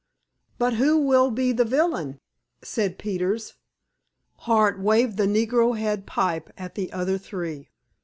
"But who will be the villain?" said Peters. Hart waved the negro head pipe at the other three.